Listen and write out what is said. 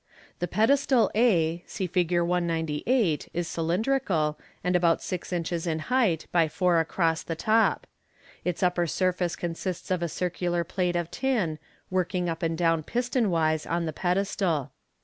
The pedestal a (see Fig. 198) is cylindrical j and about six inches in height, by four across the top. Its upper surface consists of a circular plate of tin, working up and down piston wise in the pedestal.